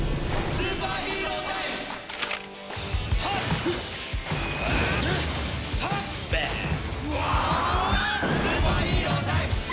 スーパーヒーロータイムスタート！